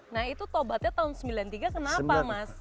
nah itu tobatnya tahun seribu sembilan ratus sembilan puluh tiga kenapa mas